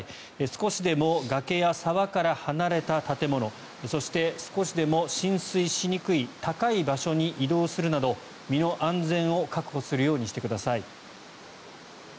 少しでも崖や沢から離れた建物そして、少しでも浸水しにくい高い場所に移動するなど身の安全を確保するようにしてください。